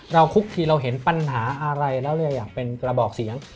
คุกทีเราเห็นปัญหาอะไรแล้วเลยอยากเป็นกระบอกเสียง